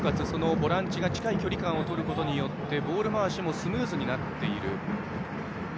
ボランチが近い距離感をとることでボール回しもスムーズになっている。